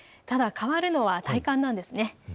ただ変わるのは体感なんです。